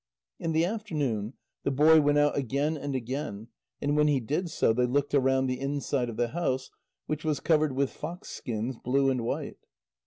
In the afternoon, the boy went out again and again and when he did so, they looked round the inside of the house, which was covered with fox skins, blue and white.